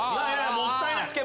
もったいない！